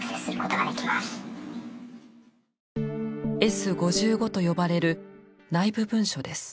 「Ｓ−５５」と呼ばれる内部文書です。